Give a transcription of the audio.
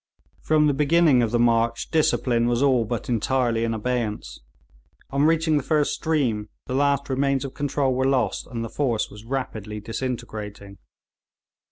From the beginning of the march, discipline was all but entirely in abeyance; on reaching the first stream, the last remains of control were lost, and the force was rapidly disintegrating.